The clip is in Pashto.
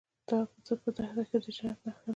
دا په دښته کې د جنت نښه ده.